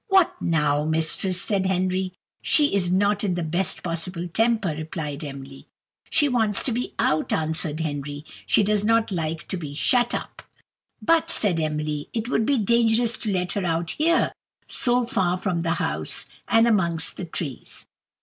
"What now, mistress?" said Henry. "She is not in the best possible temper," replied Emily. "She wants to be out," answered Henry; "she does not like to be shut up." "But," said Emily, "it would be dangerous to let her out here, so far from the house, and amongst the trees."